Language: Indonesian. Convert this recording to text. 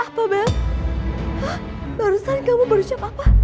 apa bel barusan kamu baru siap apa